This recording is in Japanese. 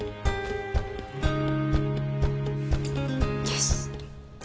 よし。